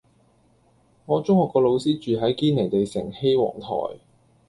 我中學個老師住喺堅尼地城羲皇臺